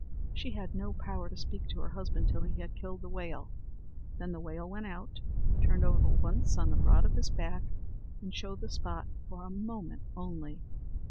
She had no power to speak to her husband till he had killed the whale. Then the whale went out, turned over once on the broad of his back, and showed the spot for a moment only.